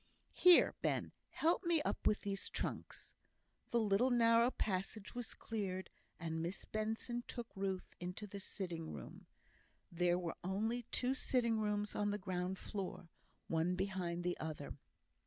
Here, Ben! help me up with these trunks." The little narrow passage was cleared, and Miss Benson took Ruth into the sitting room. There were only two sitting rooms on the ground floor, one behind the other.